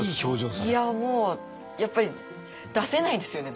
いやもうやっぱり出せないですよね。